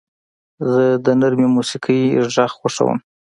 زه د نرم موسیقۍ غږ خوښوم.